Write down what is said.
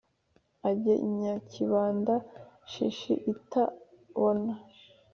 Ajye Nyakibanda shishi itabona